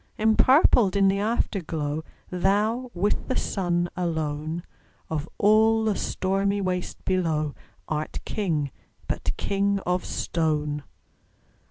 Empurpled in the Afterglow, Thou, with the Sun alone, Of all the stormy waste below, Art King, but king of stone!